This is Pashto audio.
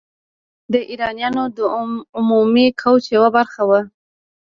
د آریایانو د عمومي کوچ یوه برخه وه.